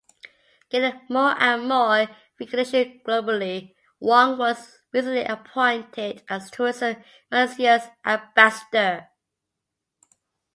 Gaining more and more recognition globally, Wong was recently appointed as Tourism Malaysia's ambassador.